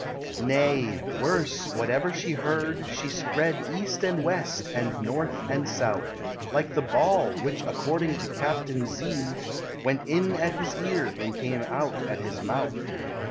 Nay, worse, whatever she heard, she spread East and West, and North and South, Like the ball which, according to Captain Z, Went in at his ear, and came out at his mouth.